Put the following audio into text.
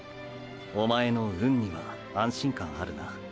おまえの「うん」には安心感あるな。